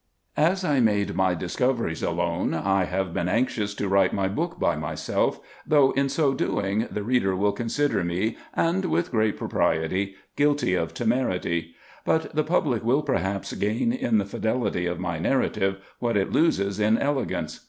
As I made my discoveries alone, I have been anxious to write my book by myself, though in so doing, the reader will consider me, and with great propriety, guilty of temerity ; but the public will perhaps gain in the fidelity of my narrative, what it loses in elegance.